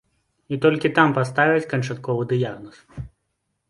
І толькі там паставяць канчатковы дыягназ.